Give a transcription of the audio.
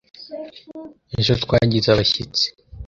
Ejo twagize abashyitsi.